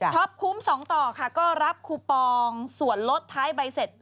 คุ้ม๒ต่อค่ะก็รับคูปองส่วนลดท้ายใบเสร็จ